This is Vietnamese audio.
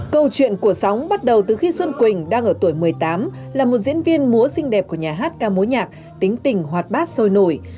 câu chuyện của sóng bắt đầu từ khi xuân quỳnh đang ở tuổi một mươi tám là một diễn viên múa xinh đẹp của nhà hát ca mối nhạc tính tình hoạt bát sôi nổi